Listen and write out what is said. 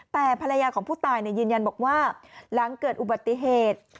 แต่ภรรยาของผู้ตายยืนยันบอกว่าหลังเกิดอุบัติเหตุ